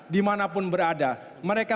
dimanapun berada mereka